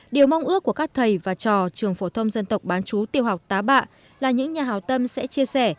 điều mong ước của các thầy và trò trường phổ thông dân tộc bán chú tiêu học tá bạ là những nhà hào tâm sẽ chia sẻ